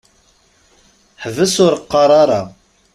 Ḥbes ur qqaṛ ara!